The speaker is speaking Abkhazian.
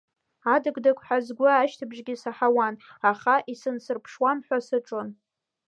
Адық-дықҳәа сгәы ашьҭыбжьгьы саҳауан, аха исынсырԥшуам ҳәа саҿын.